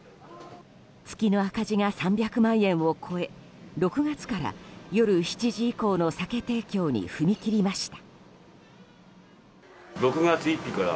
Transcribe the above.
月の赤字が３００万円を超え６月から夜７時以降の酒提供に踏み切りました。